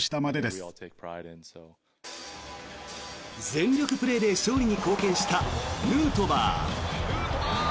全力プレーで勝利に貢献したヌートバー。